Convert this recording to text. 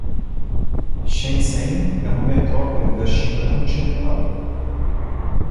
Shenzhen é uma metrópole da China continental